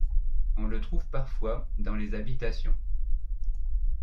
On le trouve parfois dans les habitations.